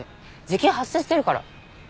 時給発生してるから。